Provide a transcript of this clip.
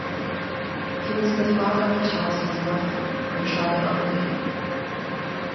He was the father of Charles's mother, Bertrada of Laon.